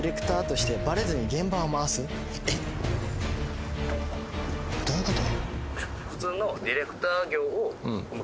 えっ？どういうこと？